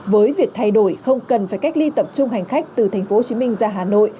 với việc thay đổi không cần phải cách ly tập trung hành khách từ tp hcm ra hà nội